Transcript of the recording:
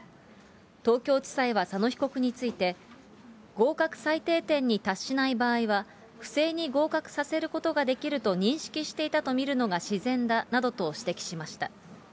東京地裁は佐野被告について、合格最低点に達しない場合は、不正に合格させることができると認識していたと見るのが自然だなどと指摘しました。